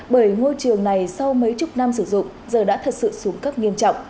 bởi ngôi trường này sau mấy chục năm sử dụng giờ đã thật sự xuống cấp nghiêm trọng